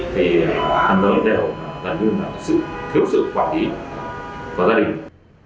thì phần lớn đều gần như là sự thiếu sự quản lý của gia đình